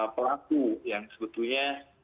pelaku yang sebetulnya